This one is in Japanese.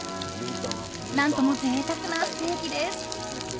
何とも贅沢なステーキです。